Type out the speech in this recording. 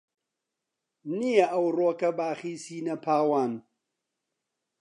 نییە ئەوڕۆکە باخی سینە پاوان